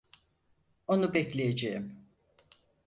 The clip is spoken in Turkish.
Onu bekleyeceğim.